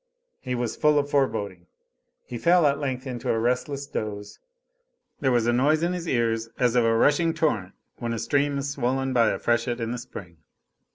He was full of foreboding. He fell at length into a restless doze. There was a noise in his ears as of a rushing torrent when a stream is swollen by a freshet in the spring.